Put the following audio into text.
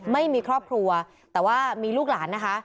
ไม่มีครอบครัวแต่ว่ามีลูกหลานนะคะ